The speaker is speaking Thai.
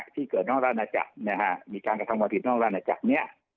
ที่เกิดนอกราชนาจักรมีการกระทำความผิดนอกราชนาจักรเนี่ย